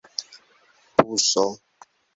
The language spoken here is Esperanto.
buso